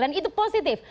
dan itu positif